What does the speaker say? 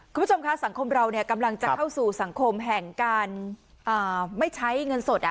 คุณผู้ชมคะสังคมเรากำลังจะเข้าสู่สังคมแห่งการไม่ใช้เงินสด